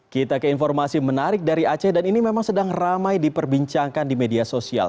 kita ke informasi menarik dari aceh dan ini memang sedang ramai diperbincangkan di media sosial